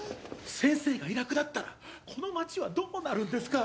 先生がいなくなったらこの町はどうなるんですか